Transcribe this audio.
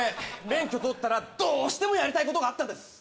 免許とったらどうしてもやりたいことがあったんです